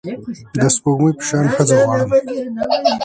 د سپوږمۍ په شان ښځه غواړم